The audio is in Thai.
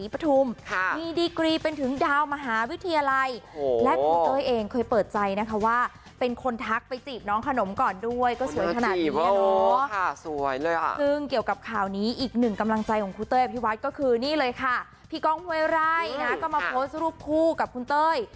พี่กองเวรายนะก็มาโพสต์รูปคู่กับคุณเต้ย